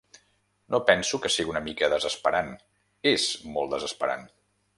No penso que sigui una mica desesperant, és molt desesperant.